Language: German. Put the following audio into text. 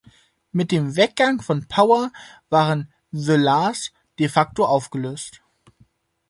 Mit dem Weggang von Power waren "The La’s" de facto aufgelöst.